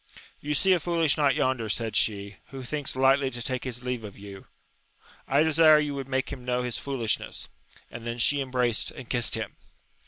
You see a foolish knight yonder, said she, who thinks lightly to take his leave of you : I desire you would make him know his fool ishness ! and then she embraced and kissed him.